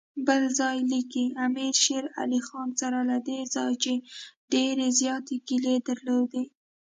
بل ځای لیکي امیر شېر علي سره له دې چې ډېرې زیاتې ګیلې درلودې.